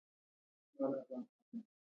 متن څېړونکی باید دیانت داره وي.